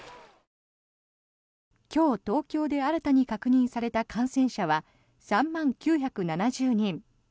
今日、東京で新たに確認された感染者は３万９７０人。